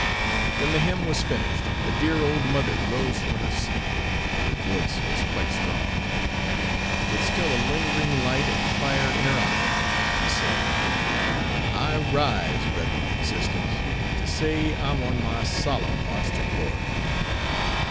When the hymn was finished a dear old mother rose from her seat. Her voice was quite strong. With still a lingering light and fire in her eye, she said: "I rise, bredren an' sisters, to say I'm on my solemn march to glory."